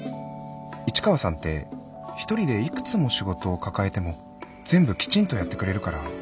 市川さんって一人でいくつも仕事を抱えても全部きちんとやってくれるから。